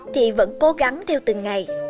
thì vẫn cố gắng theo từng ngày